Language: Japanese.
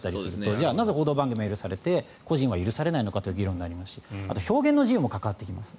じゃあなぜ報道番組は許されて個人は許されないのかという議論になりますしあとは表現の自由も関わってきます。